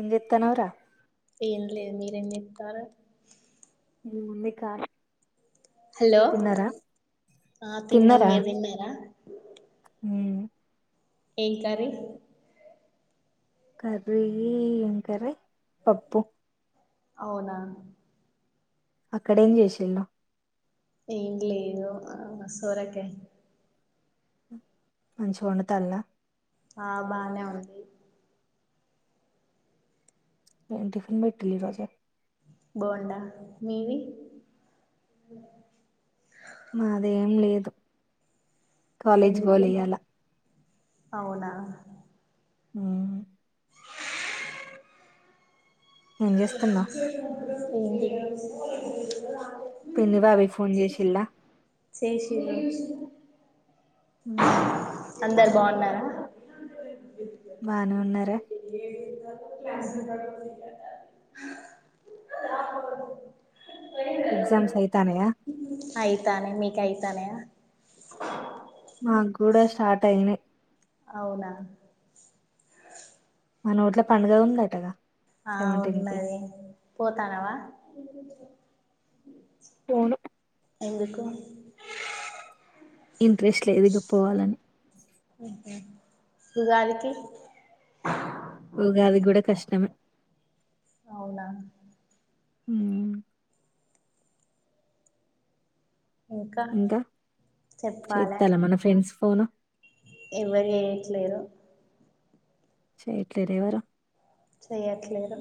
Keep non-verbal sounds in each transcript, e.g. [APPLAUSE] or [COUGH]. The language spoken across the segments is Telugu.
ఏజేత్తున్నావ్ రా ఏం లేదు మీరేం జేత్తారు బూంది కార్ హలో ఆహ్ తిన్నాం తిన్నారా మీరు తిన్నార ఉమ్ ఏం కర్రీ కర్రీ ఏం కర్రీ పప్పు అవునా అక్కడేం చేసిల్లు. ఏం లేదు ఆ సొరకాయ. మంచిగా వండుతాల్లా. ఆ బానే ఉంది. ఏం టిఫిన్ పెట్టిల్లు ఈ రోజు. బోండా మీవి. మాదేం లేదు. కాలేజ్ ఎందుకు గోల్య్యాల. అవునా. ఉమ్. ఏం చేస్తున్నావు? [UNINTELLIGIBLE] పిన్ని బాబాయ్ ఫోన్ చేసిల్లా చేసిర్రా. హమ్. అందరు బాగున్నారా. బానే ఉన్నారా ఇడ్లీ. [UNINTELLIGIBLE] ఎక్సామ్స్ అయితనయా. అయితానై మీకు అయితానయ్య. మాకు కూడా స్టార్ట్ అయింది. అవునా. మన ఊట్లో పండుగ ఉంద అటగా. ఆ ఉన్నది పోతున్నవా. ఈవెనింగ్ ఆ పోను. ఎందుకు? ఇంట్రెస్ట్ లేదు ఇగ పోవాలని. ఉగాదికి. ఉగాదికి కూడా కష్టమే. అవునా. ఉమ్. ఇంకా చెప్పాలే చేస్తాలా మన ఫ్రెండ్స్ ఫోను. ఎవరు చేయట్లేదు. చెయ్యట్లేదేవారు. చెయ్యట్లేరు.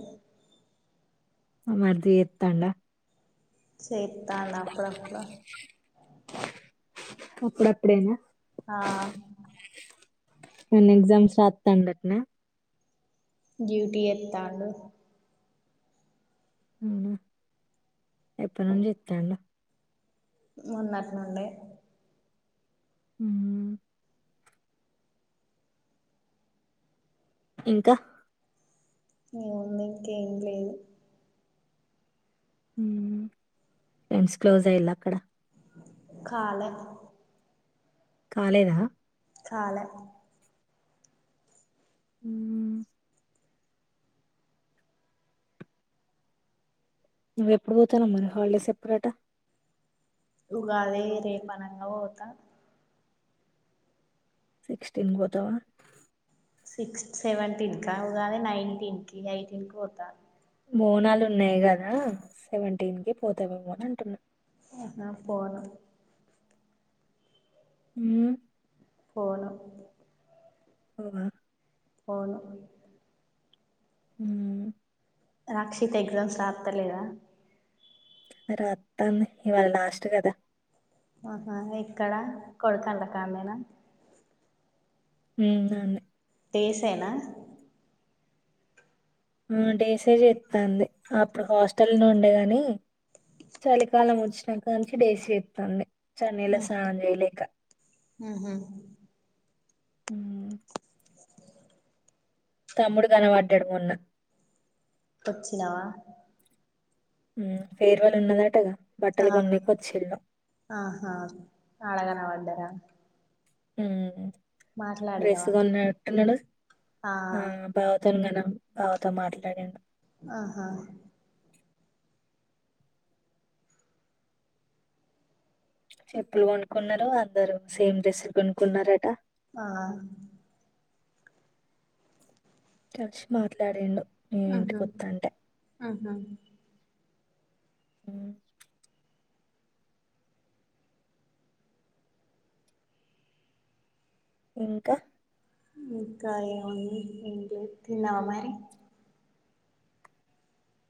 మరిది చేస్తాండా. చేతన్డు అప్పుడప్పుడు. అప్పుడప్పుడైనా. ఆ. నేను ఎగ్జామ్స్ రాతండత్న. డ్యూటీ జేతండు. హ్మ్. ఎప్పనుంచి జేస్తాండు. మొన్నటి నుండే ఉ ఇంకా ఏముంది ఇంకేం లేదు హ్మ్ ఫ్రెండ్స్ క్లోజ్ అయిల్లా అక్కడ కాలే కాలేదా కాలా ఉమ్ నువ్వు ఎప్పుడు పోతున్నావ్ మరి హాలిడేస్ ఎప్పుడట ఉగాది రేపనంగా బోతా సిక్స్టీన్ కి బోతావ సిక్స్ సెవెంటీన్ క ఉగాది నైన్టీన్ కి ఎయిటీన్ కి పోతా బోనాలు ఉన్నాయి గదా సెవెంటీన్ కి పోతావేమో అని అంటున్నా ఆహా పోను ఇంగా పోను పోవా పోను హ్మ్ రాక్షిత ఎగ్జామ్స్ రాత్తలేద రాత్తంది ఇవాళ లాస్ట్ గదా ఆహా ఎక్కడా కొడకొండకామెనా ఉ ఆన్నే డేసైనా ఆ డేసే జేత్తాంది అప్పుడు హాస్టల్ ను ఉండే గాని చలికాలం వచ్చినాంక నుంచి డేస్ జేత్తాంది చన్నిల్లా స్నానం జెయలేక ఉహు హు తమ్ముడు గనబడ్డాడు మొన్న వచ్చినవా ఫేర్ వళ్ ఉన్నదటగా ఆ బట్టలు కొన్నికి వచ్చిళ్ళు ఆహా ఆడగనబడ్డరా ఉ మాట్లాడినవా బ్రెస్సు గొన్నంట్టున్నాడు ఆ బావతోని గన బావతో మాట్లాడిండు ఆహా చెప్పులు కొనుక్కున్నారు అందరు సేమ్ డ్రెస్సులు కొనుక్కున్నారట ఆ తక్ష్ మాట్లాడిండు నేను ఆహా ఇంటికి ఆహా అ ఇంకా ఇంకా ఏముంది ఏంలేదు తిన్నావా మరి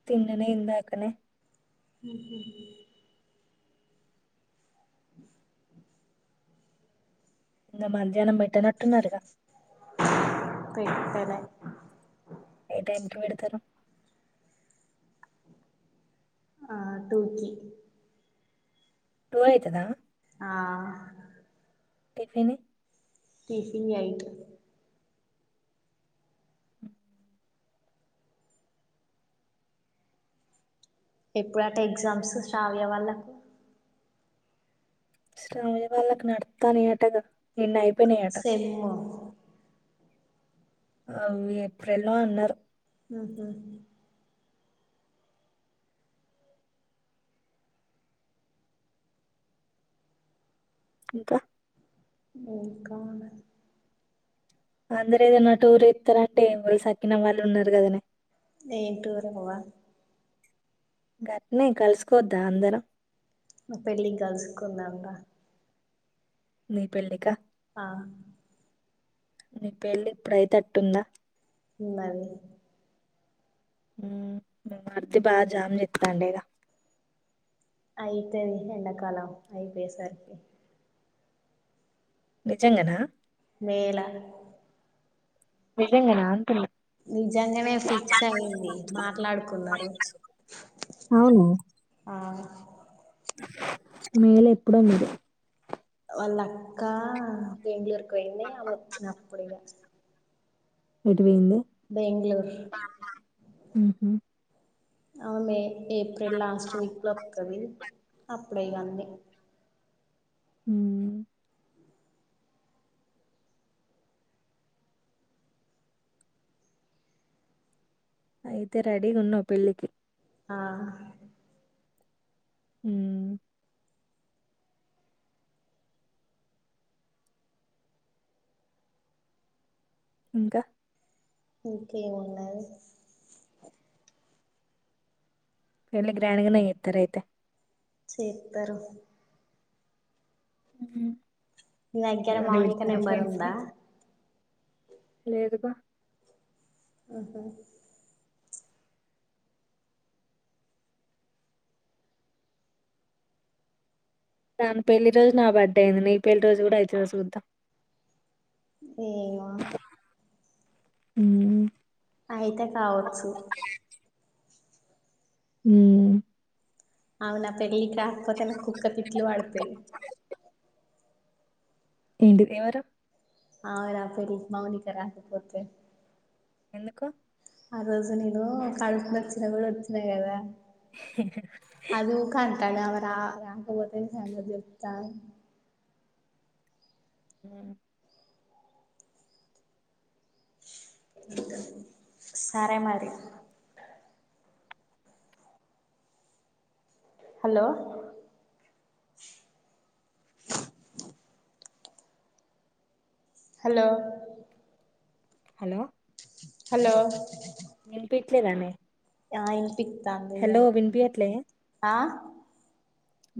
తిన్ననే ఇందాకనే హ్మ్మ్ [UNINTELLIGIBLE] ఇంకా మధ్యాహ్నం పెట్టనట్టున్నారుగా పెట్టలే ఏ టైమ్కి వెడుతరు ఆ టూకి టూ అయితదా ఆ టిఫిన్ ఫంగ్యిట్ ఎప్పుడు అట ఎగ్జామ్స్ శ్రావ్య వాళ్ళకు శ్రవ్య వాళ్ళకి నడుతైన అటగా నిన్న అయిపో సెమ్ము అ అవి ఏప్రిల్ లో అన్నారు హు హు ఇంకా ఇంకానా అందర ఏదైనా టూర్ ఏస్తారంటే వా సక్కిన వాళ్ళు ఉన్నారు కదనే ఏం టూర్ పోవ గట్నే కలుసుకోద్దా అందరం పెళ్ళికి గలుసుకుంటదం రా నీ పెళ్ళికా ఆ నీ పెళ్ళి ఇప్పుడైత అట్టుందా ఉనావే మర్ది బాగా జమ జత్తండేగా అయితేది ఎండకాలం అయి పసరికి నిజంగానా మేల నిజంగానే అంతలే నిజంగానే ఫిక్స్ అయింది మాట్లాడుకున్నారు అవును ఆ మేలు ఎప్పుడ లేదు వాళ్ళ అక్కా పెంగళూరు ఇ వెన్న వచ్చిన అప్పుడుగా బెంగళూరు ంది ఆ మే ఏప్రిల్ లాస్ట్ వీక్ లో ఒకక్కది అప్పుడే ఇంగాన్ని హ్మ్మ్ అయితే రెడీ ఉన్నావు్ పెళ్ళికి ఆ హ్మ్మ్ ఇంకా ఇంకేమున్నది పెళ్లి గ్రాండ్ గానే చేస్తారు అయితే చేతారు హ్మ్మ్ నైకిర మౌనిక నంబరుందా ని లేదుగా మ్ హ్ దాన్ పెళ్లి రోజు నా బర్త్డే అయింది నీ పెళ్లి రోజు కూడా ఐతదో చూద్దాం ఏమొ మ్ అయితే కావచ్చు మ్ అవు నా పెళ్ళకాక్పోతే న కుక్కతి వడుతయ్ ఏంటి ఎవరు ఆనా పరి మౌని క రాకపోతే ఎందుకు ఆ రోజు నేను కడుపు నొచ్చిన గుడ ఒచ్చిన కదా కాన్ అమెరా రకపోతే ని సంగత్ చెప్తా మ్ సరే మరి హలో హలో హలో హలో నింపి లానే ఆయి పితాందియా వినిపియట్లే ఆ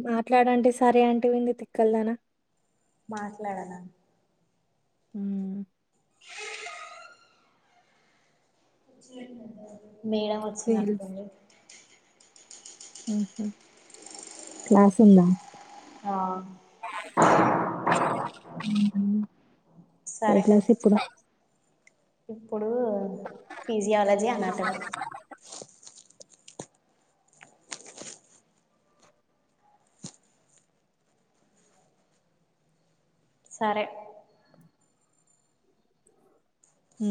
మాట్లాడంటే సరే అంటవేందే తిక్కల్దానా మాట్లాడనా మ్ [UNINTELLIGIBLE] మేడం ఫీల్స్ వచ్చినట్టుంది క్లాస్ ఉందా ఆ ఏ క్లాస్ ఇప్పుడు ఇప్పుడూ ఫిజియాలజీ అనాటమి సరే మ్